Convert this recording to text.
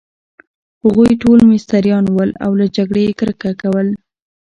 هغوی ټوله مستریان ول، او له جګړې يې کرکه کول.